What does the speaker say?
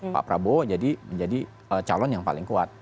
pak prabowo jadi menjadi calon yang paling kuat